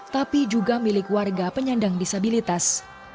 tapi juga milik warga penyandang disabilitas